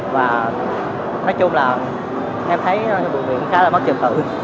và nói chung là em thấy bùi viện khá là mất trực